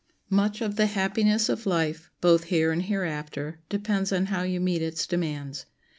Much of the happiness of life, both here and hereafter, depends on how you meet its demands.